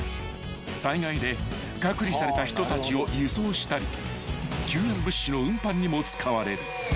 ［災害で隔離された人たちを輸送したり救援物資の運搬にも使われる］